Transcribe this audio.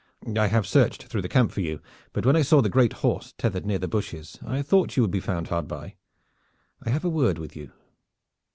"I have searched through the camp for you, but when I saw the great horse tethered near these bushes, I thought you would be found hard by. I would have a word with you."